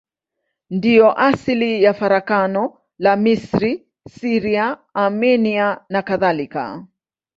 Ndiyo asili ya farakano la Misri, Syria, Armenia nakadhalika.